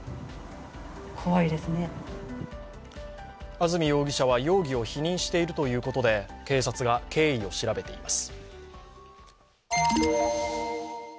安住容疑者は容疑を否認しているということで、警察が経緯を調べています。